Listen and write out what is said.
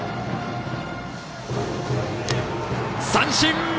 三振！